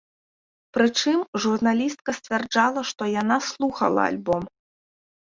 Прычым, журналістка сцвярджала, што яна слухала альбом.